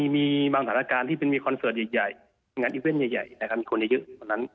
มีบางสถานการณ์ที่มีคอนเซิร์ตใหญ่งานอิเว่นใหญ่มีคนใหญ่เยอะ